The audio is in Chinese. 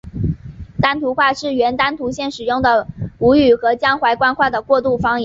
丹徒话是原丹徒县使用的吴语和江淮官话的过渡方言。